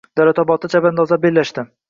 Davlatobodda chavandozlar bellashding